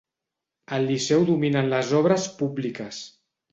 Al Liceu dominen les obres públiques.